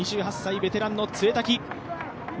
２８歳ベテランの潰滝。